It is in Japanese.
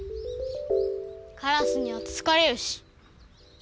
カラスにはつつかれるし。